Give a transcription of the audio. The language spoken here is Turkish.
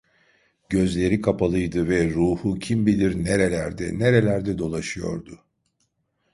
Gözleri kapalıydı ve ruhu kim bilir nerelerde, nerelerde dolaşıyordu?